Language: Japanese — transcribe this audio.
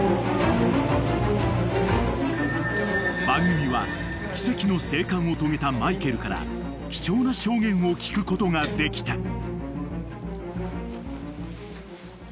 ［番組は奇跡の生還を遂げたマイケルから貴重な証言を聞くことができた］